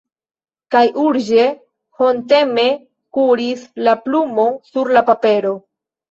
Kaj urĝe, honteme kuris la plumo sur la papero.